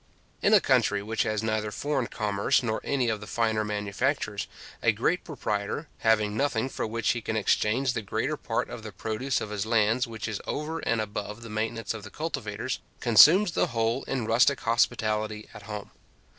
In a country which has neither foreign commerce nor any of the finer manufactures, a great proprietor, having nothing for which he can exchange the greater part of the produce of his lands which is over and above the maintenance of the cultivators, consumes the whole in rustic hospitality at home.